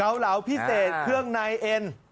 เหลาพิเศษเครื่องในเอ็น